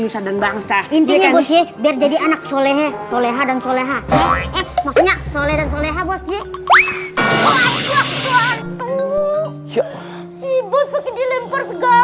usaha dan bangsa intinya bosnya biar jadi anak soleh soleh dan soleh soleh dan soleh